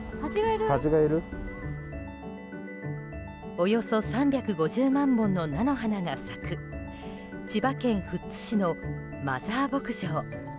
およそ３５０万本の菜の花が咲く千葉県富津市のマザー牧場。